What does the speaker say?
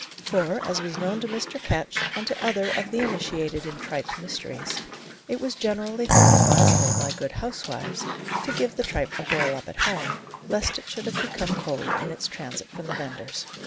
For, as was known to Mr. Ketch, and to other of the initiated in tripe mysteries, it was generally thought advisable, by good housewives, to give the tripe a boil up at home, lest it should have become cold in its transit from the vendor's.